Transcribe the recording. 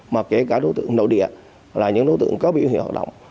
mà kể cả đối tượng nội địa là những đối tượng có biểu hiện hoạt động